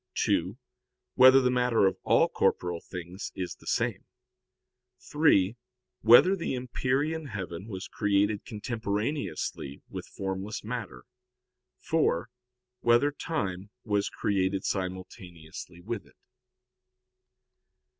(2) Whether the matter of all corporeal things is the same? (3) Whether the empyrean heaven was created contemporaneously with formless matter? (4) Whether time was created simultaneously with it?